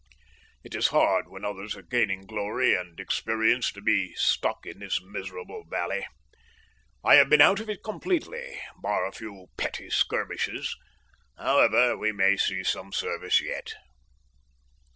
It is hard when others are gaining glory and experience to be stuck in this miserable valley. I have been out of it completely, bar a few petty skirmishes. However, we may see some service yet.